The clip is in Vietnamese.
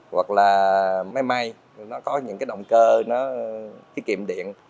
hoặc là máy may nó có những cái động cơ cái kiệm điện